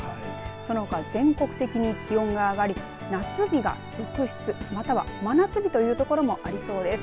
そのほか全国的に気温が上がり夏日が続出または真夏日という所もありそうです。